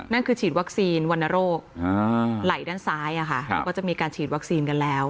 นั่นคือฉีดวัคซีนวรรณโรคไหล่ด้านซ้ายแล้วก็จะมีการฉีดวัคซีนกันแล้ว